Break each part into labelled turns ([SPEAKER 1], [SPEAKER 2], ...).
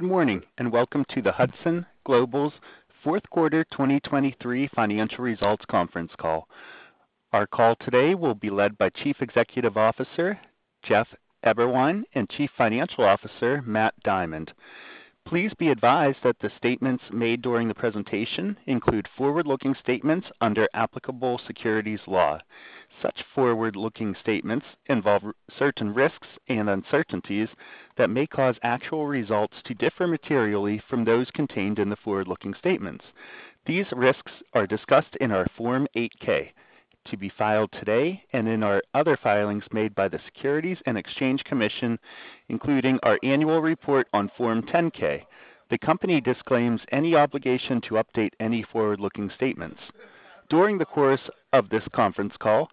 [SPEAKER 1] Good morning and welcome to the Hudson Global's fourth quarter 2023 financial results conference call. Our call today will be led by Chief Executive Officer Jeff Eberwein and Chief Financial Officer Matt Diamond. Please be advised that the statements made during the presentation include forward-looking statements under applicable securities law. Such forward-looking statements involve certain risks and uncertainties that may cause actual results to differ materially from those contained in the forward-looking statements. These risks are discussed in our Form 8-K, to be filed today, and in our other filings made by the Securities and Exchange Commission, including our annual report on Form 10-K. The company disclaims any obligation to update any forward-looking statements. During the course of this conference call,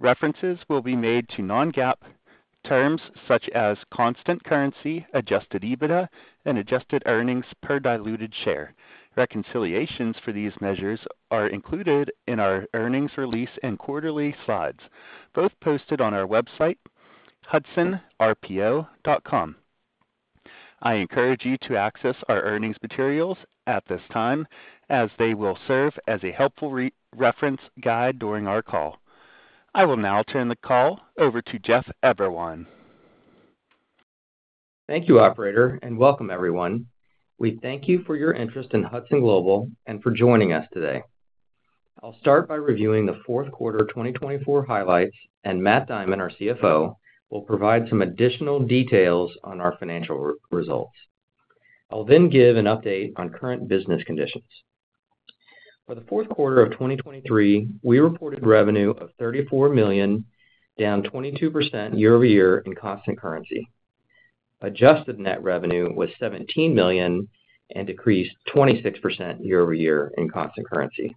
[SPEAKER 1] references will be made to non-GAAP terms such as Constant Currency, Adjusted EBITDA, and Adjusted Earnings Per Diluted Share. Reconciliations for these measures are included in our earnings release and quarterly slides, both posted on our website, hudsonrpo.com. I encourage you to access our earnings materials at this time as they will serve as a helpful reference guide during our call. I will now turn the call over to Jeff Eberwein.
[SPEAKER 2] Thank you, Operator, and welcome, everyone. We thank you for your interest in Hudson Global and for joining us today. I'll start by reviewing the fourth quarter 2024 highlights, and Matt Diamond, our CFO, will provide some additional details on our financial results. I'll then give an update on current business conditions. For the fourth quarter of 2023, we reported revenue of $34 million, down 22% year-over-year in constant currency. Adjusted net revenue was $17 million and decreased 26% year-over-year in constant currency.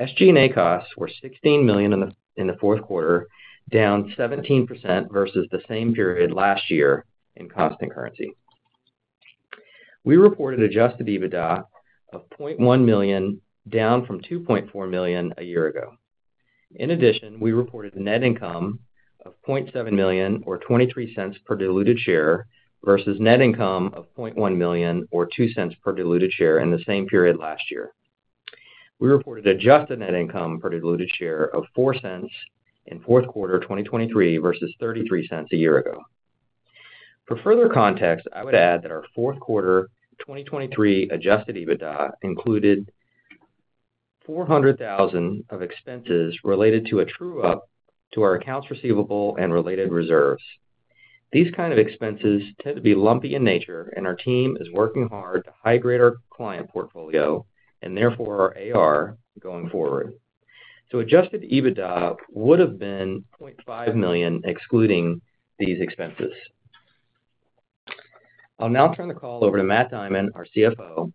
[SPEAKER 2] SG&A costs were $16 million in the fourth quarter, down 17% versus the same period last year in constant currency. We reported adjusted EBITDA of $0.1 million, down from $2.4 million a year ago. In addition, we reported net income of $0.7 million or $0.23 per diluted share versus net income of $0.1 million or $0.02 per diluted share in the same period last year. We reported adjusted net income per diluted share of $0.04 in fourth quarter 2023 versus $0.33 a year ago. For further context, I would add that our fourth quarter 2023 Adjusted EBITDA included $400,000 of expenses related to a true-up to our accounts receivable and related reserves. These kinds of expenses tend to be lumpy in nature, and our team is working hard to high-grade our client portfolio and therefore our AR going forward. So Adjusted EBITDA would have been $0.5 million excluding these expenses. I'll now turn the call over to Matt Diamond, our CFO,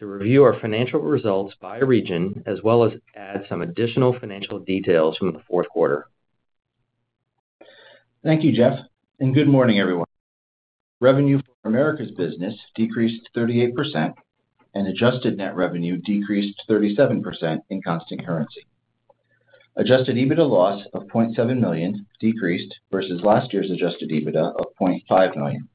[SPEAKER 2] to review our financial results by region as well as add some additional financial details from the fourth quarter.
[SPEAKER 3] Thank you, Jeff, and good morning, everyone. Revenue for Americas' business decreased 38%, and adjusted net revenue decreased 37% in constant currency. Adjusted EBITDA loss of $0.7 million decreased versus last year's adjusted EBITDA of $0.5 million.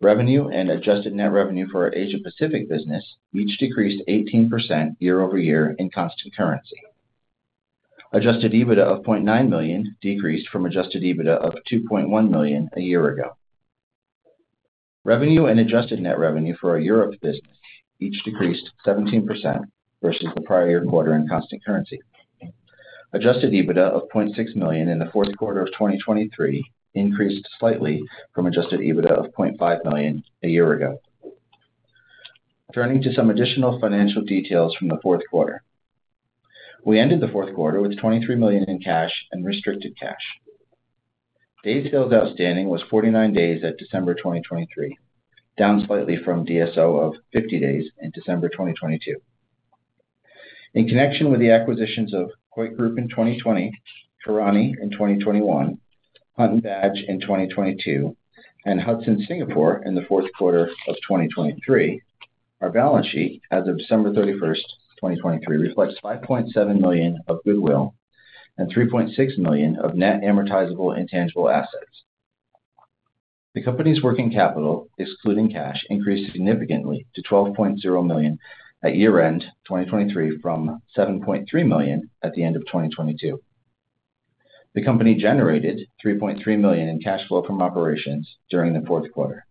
[SPEAKER 3] Revenue and adjusted net revenue for our Asia Pacific business each decreased 18% year-over-year in constant currency. Adjusted EBITDA of $0.9 million decreased from adjusted EBITDA of $2.1 million a year ago. Revenue and adjusted net revenue for our Europe business each decreased 17% versus the prior-year quarter in constant currency. Adjusted EBITDA of $0.6 million in the fourth quarter of 2023 increased slightly from adjusted EBITDA of $0.5 million a year ago. Turning to some additional financial details from the fourth quarter. We ended the fourth quarter with $23 million in cash and restricted cash. Days Sales Outstanding was 49 days at December 2023, down slightly from DSO of 50 days in December 2022. In connection with the acquisitions of Coit Group in 2020, Karani in 2021, Hunt & Badge in 2022, and Hudson Singapore in the fourth quarter of 2023, our balance sheet as of December 31st, 2023, reflects $5.7 million of goodwill and $3.6 million of net amortizable intangible assets. The company's working capital, excluding cash, increased significantly to $12.0 million at year-end 2023 from $7.3 million at the end of 2022. The company generated $3.3 million in cash flow from operations during the fourth quarter.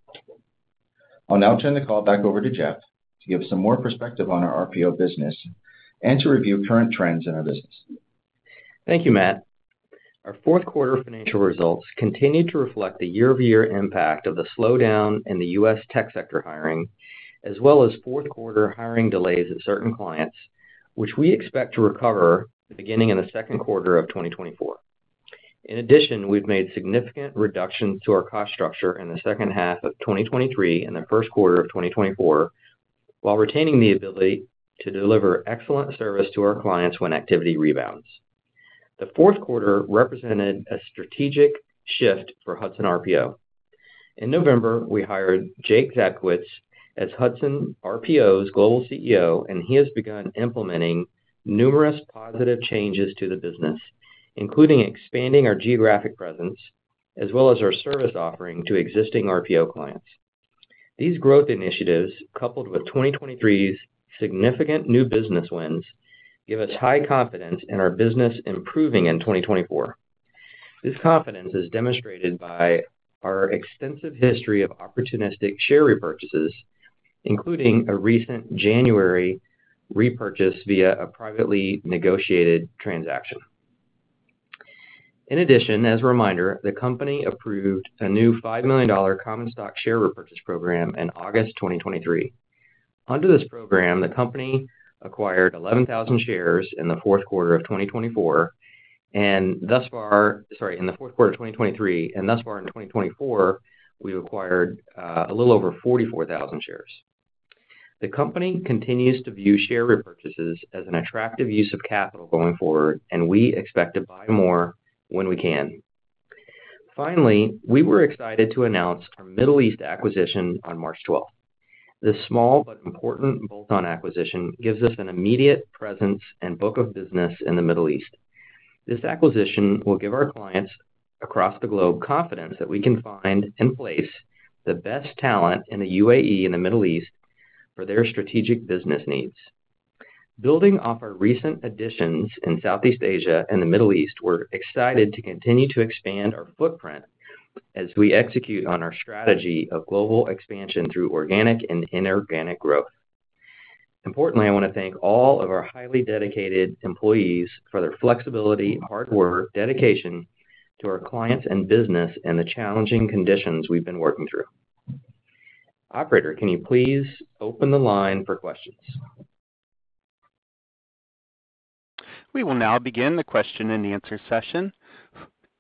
[SPEAKER 3] I'll now turn the call back over to Jeff to give some more perspective on our RPO business and to review current trends in our business.
[SPEAKER 2] Thank you, Matt. Our fourth quarter financial results continue to reflect the year-over-year impact of the slowdown in the U.S. tech sector hiring, as well as fourth quarter hiring delays at certain clients, which we expect to recover beginning in the second quarter of 2024. In addition, we've made significant reductions to our cost structure in the second half of 2023 and the first quarter of 2024 while retaining the ability to deliver excellent service to our clients when activity rebounds. The fourth quarter represented a strategic shift for Hudson RPO. In November, we hired Jake Zadkovich as Hudson RPO's global CEO, and he has begun implementing numerous positive changes to the business, including expanding our geographic presence as well as our service offering to existing RPO clients. These growth initiatives, coupled with 2023's significant new business wins, give us high confidence in our business improving in 2024. This confidence is demonstrated by our extensive history of opportunistic share repurchases, including a recent January repurchase via a privately negotiated transaction. In addition, as a reminder, the company approved a new $5 million common stock share repurchase program in August 2023. Under this program, the company acquired 11,000 shares in the fourth quarter of 2024 and thus far sorry, in the fourth quarter of 2023 and thus far in 2024, we've acquired a little over 44,000 shares. The company continues to view share repurchases as an attractive use of capital going forward, and we expect to buy more when we can. Finally, we were excited to announce our Middle East acquisition on March 12th. This small but important bolt-on acquisition gives us an immediate presence and book of business in the Middle East. This acquisition will give our clients across the globe confidence that we can find and place the best talent in the UAE and the Middle East for their strategic business needs. Building off our recent additions in Southeast Asia and the Middle East, we're excited to continue to expand our footprint as we execute on our strategy of global expansion through organic and inorganic growth. Importantly, I want to thank all of our highly dedicated employees for their flexibility, hard work, dedication to our clients and business in the challenging conditions we've been working through. Operator, can you please open the line for questions?
[SPEAKER 1] We will now begin the question and answer session.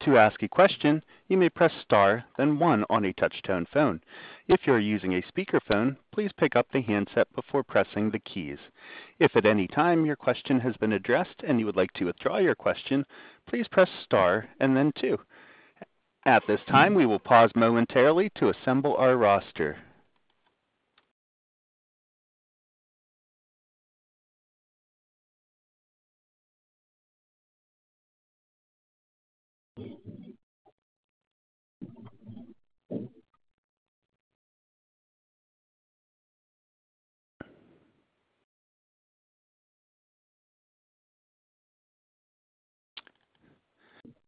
[SPEAKER 1] To ask a question, you may press star, then one on a touch-tone phone. If you're using a speakerphone, please pick up the handset before pressing the keys. If at any time your question has been addressed and you would like to withdraw your question, please press star and then two. At this time, we will pause momentarily to assemble our roster.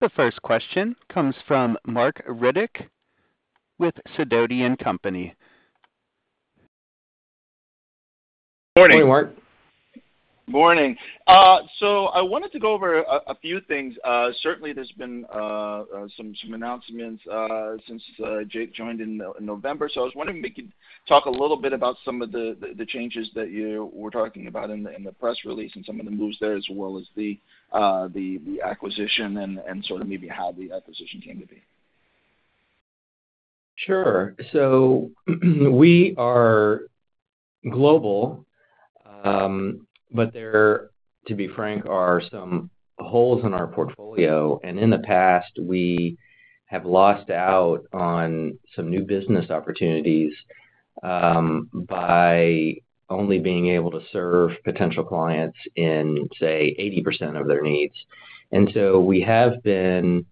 [SPEAKER 1] The first question comes from Mark Riddick with Sidoti & Company.
[SPEAKER 4] Morning.
[SPEAKER 2] Morning, Mark.
[SPEAKER 4] Morning. So I wanted to go over a few things. Certainly, there's been some announcements since Jake joined in November, so I was wondering if we could talk a little bit about some of the changes that you were talking about in the press release and some of the moves there as well as the acquisition and sort of maybe how the acquisition came to be.
[SPEAKER 2] Sure. So we are global, but there, to be frank, are some holes in our portfolio. And in the past, we have lost out on some new business opportunities by only being able to serve potential clients in, say, 80% of their needs. And so we have been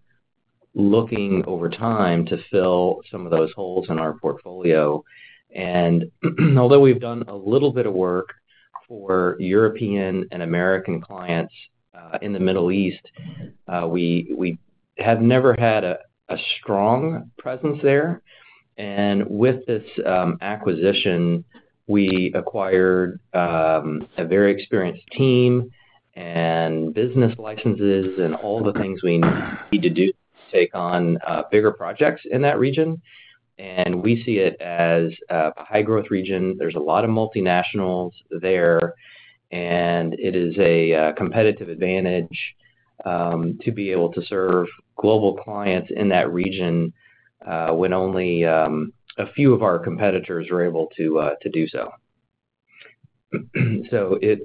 [SPEAKER 2] looking over time to fill some of those holes in our portfolio. And although we've done a little bit of work for European and American clients in the Middle East, we have never had a strong presence there. And with this acquisition, we acquired a very experienced team and business licenses and all the things we need to do to take on bigger projects in that region. And we see it as a high-growth region. There's a lot of multinationals there, and it is a competitive advantage to be able to serve global clients in that region when only a few of our competitors were able to do so. So it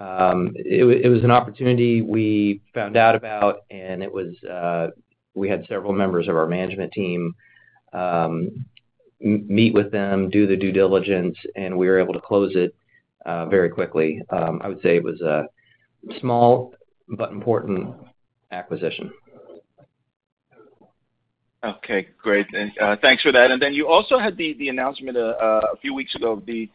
[SPEAKER 2] was an opportunity we found out about, and we had several members of our management team meet with them, do the due diligence, and we were able to close it very quickly. I would say it was a small but important acquisition.
[SPEAKER 4] Okay. Great. Thanks for that. And then you also had the announcement a few weeks ago of the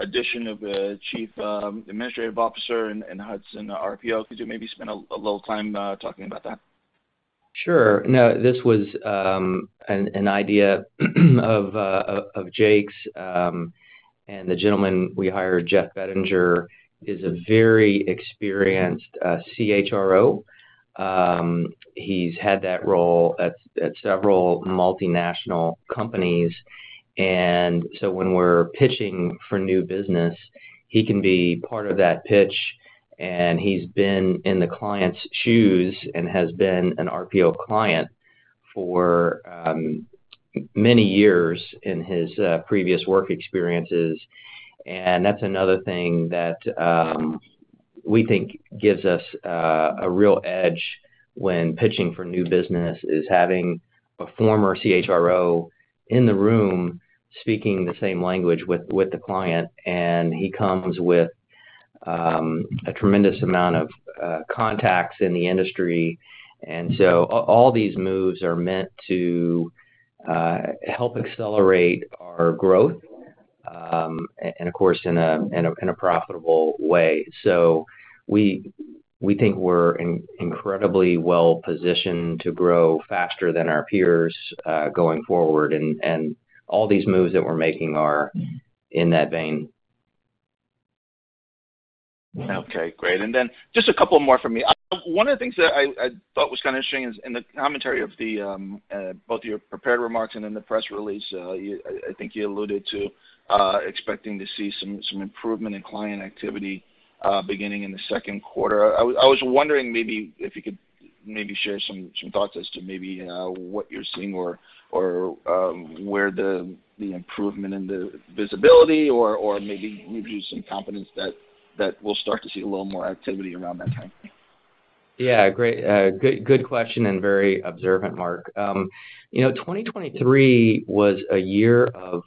[SPEAKER 4] addition of the Chief Administrative Officer in Hudson RPO. Could you maybe spend a little time talking about that?
[SPEAKER 2] Sure. No, this was an idea of Jake's. The gentleman we hired, Jeff Bettinger, is a very experienced CHRO. He's had that role at several multinational companies. So when we're pitching for new business, he can be part of that pitch. He's been in the client's shoes and has been an RPO client for many years in his previous work experiences. That's another thing that we think gives us a real edge when pitching for new business is having a former CHRO in the room speaking the same language with the client. He comes with a tremendous amount of contacts in the industry. So all these moves are meant to help accelerate our growth and, of course, in a profitable way. We think we're incredibly well-positioned to grow faster than our peers going forward. All these moves that we're making are in that vein.
[SPEAKER 4] Okay. Great. And then just a couple more from me. One of the things that I thought was kind of interesting is in the commentary of both your prepared remarks and in the press release, I think you alluded to expecting to see some improvement in client activity beginning in the second quarter. I was wondering maybe if you could share some thoughts as to maybe what you're seeing or where the improvement in the visibility or maybe some confidence that we'll start to see a little more activity around that time.
[SPEAKER 2] Yeah. Good question and very observant, Mark. 2023 was a year of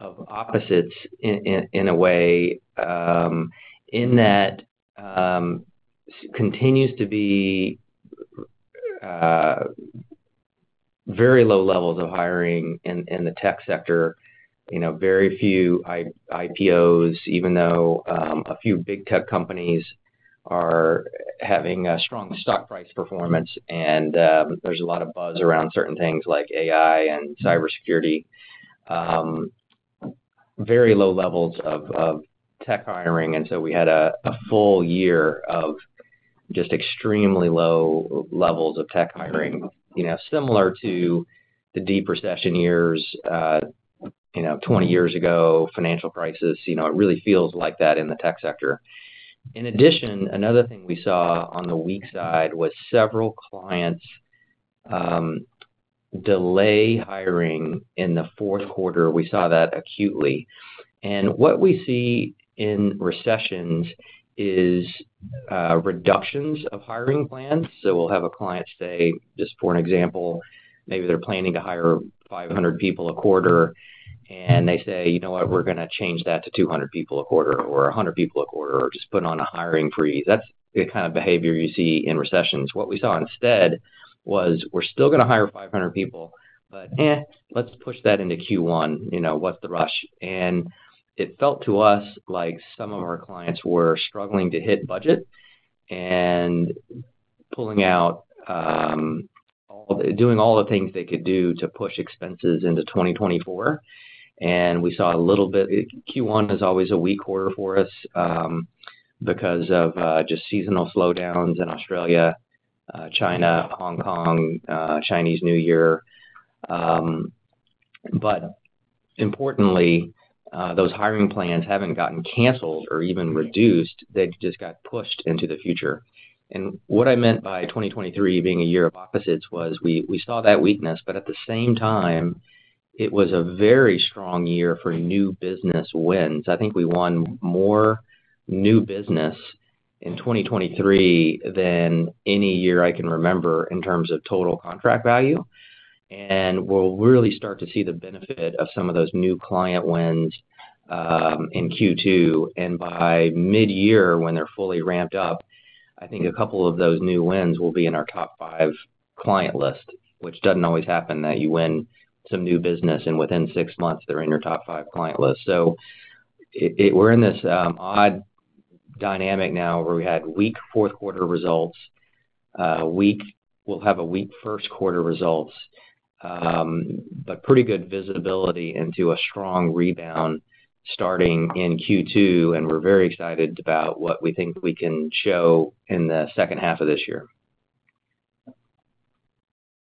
[SPEAKER 2] opposites in a way in that it continues to be very low levels of hiring in the tech sector, very few IPOs, even though a few big tech companies are having a strong stock price performance. And there's a lot of buzz around certain things like AI and cybersecurity, very low levels of tech hiring. And so we had a full year of just extremely low levels of tech hiring, similar to the deep recession years 20 years ago, financial crisis. It really feels like that in the tech sector. In addition, another thing we saw on the weak side was several clients delay hiring in the fourth quarter. We saw that acutely. And what we see in recessions is reductions of hiring plans. So we'll have a client say, just for an example, maybe they're planning to hire 500 people a quarter, and they say, "You know what? We're going to change that to 200 people a quarter or 100 people a quarter or just put on a hiring freeze." That's the kind of behavior you see in recessions. What we saw instead was, "We're still going to hire 500 people, but let's push that into Q1. What's the rush?" And it felt to us like some of our clients were struggling to hit budget and doing all the things they could do to push expenses into 2024. And we saw a little bit, Q1 is always a weak quarter for us because of just seasonal slowdowns in Australia, China, Hong Kong, Chinese New Year. But importantly, those hiring plans haven't gotten canceled or even reduced. They just got pushed into the future. And what I meant by 2023 being a year of opposites was we saw that weakness, but at the same time, it was a very strong year for new business wins. I think we won more new business in 2023 than any year I can remember in terms of total contract value. And we'll really start to see the benefit of some of those new client wins in Q2. And by mid-year, when they're fully ramped up, I think a couple of those new wins will be in our top five client list, which doesn't always happen that you win some new business and within six months, they're in your top five client list. So we're in this odd dynamic now where we had weak fourth quarter results, weak we'll have a weak first quarter results, but pretty good visibility into a strong rebound starting in Q2. We're very excited about what we think we can show in the second half of this year.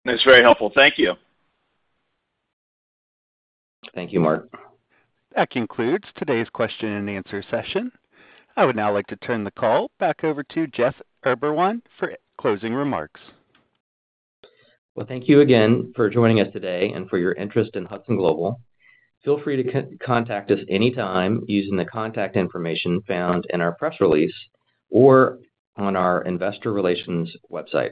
[SPEAKER 4] That's very helpful. Thank you.
[SPEAKER 2] Thank you, Mark.
[SPEAKER 1] That concludes today's question and answer session. I would now like to turn the call back over to Jeff Eberwein for closing remarks.
[SPEAKER 2] Well, thank you again for joining us today and for your interest in Hudson Global. Feel free to contact us anytime using the contact information found in our press release or on our investor relations website.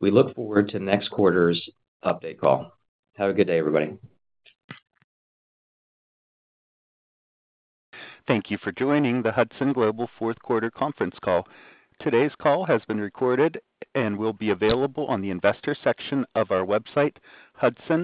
[SPEAKER 2] We look forward to next quarter's update call. Have a good day, everybody.
[SPEAKER 1] Thank you for joining the Hudson Global fourth quarter conference call. Today's call has been recorded and will be available on the investor section of our website, Hudson.